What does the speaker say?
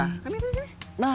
lihatlah di sini